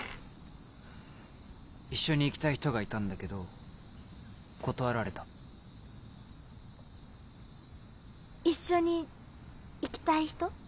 一緒に行きたい人がいたんだけど断られた一緒に行きたい人？